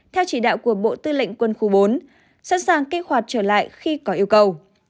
theo chỉ đạo của bộ tư lệnh quân khu bốn sẵn sàng kích hoạt trở lại khi có yêu cầu